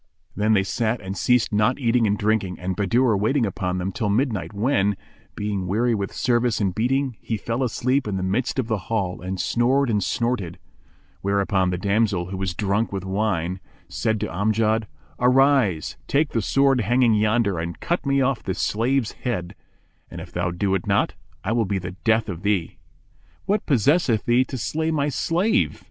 Then they sat and ceased not eating and drinking (and Bahadur waiting upon them) till midnight when, being weary with service and beating, he fell asleep in the midst of the hall and snored and snorted; whereupon the damsel, who was drunken with wine, said to Amjad, "Arise, take the sword hanging yonder and cut me off this slave's head; and, if thou do it not, I will be the death of thee!" "What possesseth thee to slay my slave?"